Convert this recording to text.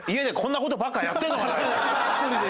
１人で。